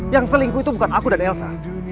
yang selingkuh itu bukan aku dan elsa